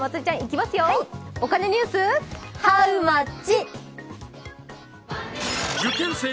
お金ニュース、ＨＯＷマッチ！